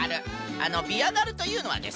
あのビアダルというのはですね